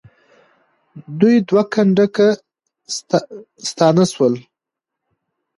دوی دوه کنډکه ستانه سول.